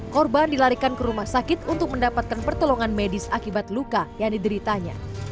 korban dilarikan ke rumah sakit untuk mendapatkan pertolongan medis akibat luka yang dideritanya